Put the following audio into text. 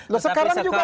loh sekarang juga bebas